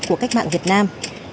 của cách mạng việt nam